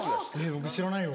僕知らないよ。